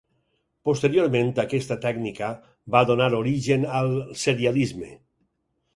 Posteriorment, aquesta tècnica va donar origen al serialisme.